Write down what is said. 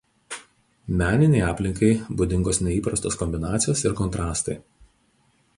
Meninei aplinkai būdingos neįprastos kombinacijos ir kontrastai.